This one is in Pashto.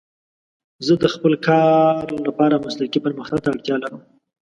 زه د خپل کار لپاره مسلکي پرمختګ ته اړتیا لرم.